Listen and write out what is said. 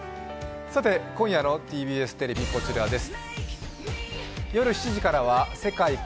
今夜のＴＢＳテレビ、こちらです。